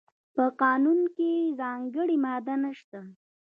په قانون کې ځانګړې ماده نشته.